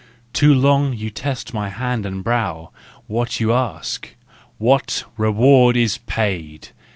Too long you test my hand and brow : What ask you ?" What—reward is paid